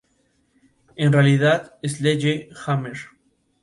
En su interior se veneraba el Santo Cristo de la Salud.